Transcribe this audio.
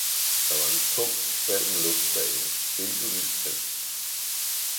Der var en tung, kvalm luft derinde, intet lys tændt.